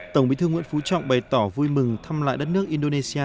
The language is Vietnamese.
tổng bí thư nguyễn phú trọng bày tỏ vui mừng thăm lại đất nước indonesia